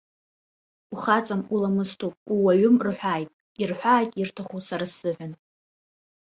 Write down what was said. Ухаҵам, уламысдоуп, ууаҩым рҳәааит, ирҳәааит ирҭаху сара сзыҳәан.